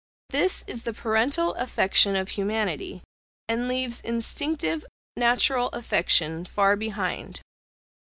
This is the parental affection of humanity, and leaves instinctive natural affection far behind.